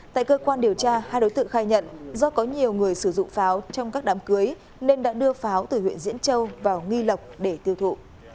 tại cơ quan điều tra hai đối tượng khai nhận do có nhiều người sử dụng pháo trong các đám cưới nên đã đưa pháo từ huyện diễn châu vào nghi lộc để tiêu thụ